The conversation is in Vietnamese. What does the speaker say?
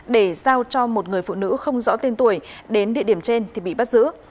để giao cho một người phụ nữ không rõ tên tuổi đến địa điểm trên thì bị bắt giữ